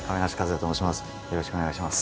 よろしくお願いします。